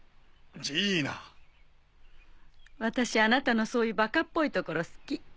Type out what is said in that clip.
私あなたのそういうバカっぽいところ好き。